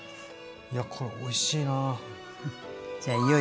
いやこれおいしいなあ。